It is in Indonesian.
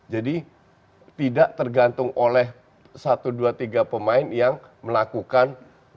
jadi tidak tergantung oleh satu dua tiga pemain yang melakukan